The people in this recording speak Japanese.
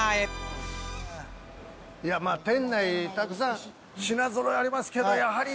いやまぁ店内たくさん品ぞろえありますけどやはり。